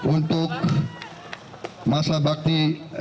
untuk masa bakti dua ribu sembilan belas dua ribu dua puluh empat